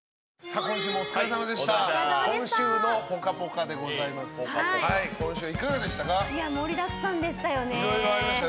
今週もお疲れさまでした。